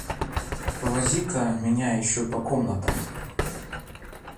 Повози-ка меня еще по комнатам.